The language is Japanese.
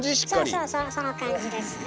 そうそうそうその感じですね。